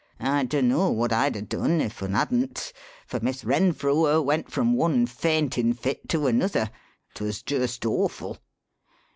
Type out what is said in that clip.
I dunno what I'd 'a' done if un hadn't, for Miss Renfrew her went from one faintin' fit to another 'twas just orful.